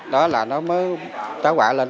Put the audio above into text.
đó là nó mới trái quạ lên